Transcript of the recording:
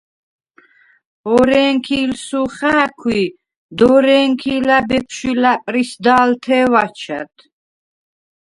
ორენქი̄ლსუ ხა̄̈ქვ ი დორენქი̄ლა̈ ბეფშვ ლა̈პრისდა̄ლთე̄ვ აჩა̈დ.